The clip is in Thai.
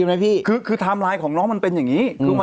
เอาถูกตรงขอโทษนะ